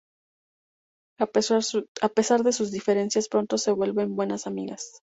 A pesar de sus diferencias, pronto se vuelven buenas amigas.